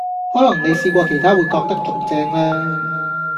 可能你試過其他會覺得仲正呢